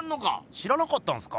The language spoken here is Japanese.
知らなかったんすか？